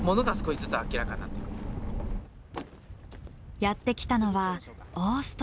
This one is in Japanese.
やって来たのはオーストラリア。